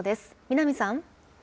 南さん。